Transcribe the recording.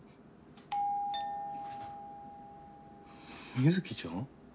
美月ちゃん？